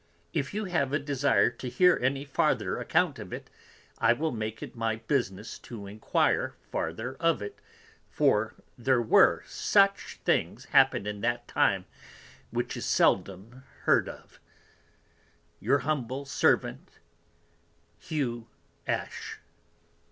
If you have a desire to hear any farther Account of it, I will make it my Business to inquire farther of it, for there were such. Things happened in that time which is seldom heard of, Your humble Servant Hu. Ash.